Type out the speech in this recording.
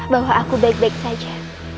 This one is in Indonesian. bahwa aku baik baik saja